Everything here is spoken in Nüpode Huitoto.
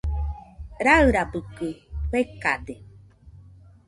Rairabɨkɨ fekade.